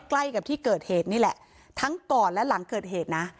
ใกล้กับที่เกิดเหตุนี่แหละทั้งก่อนและหลังเกิดเหตุนะ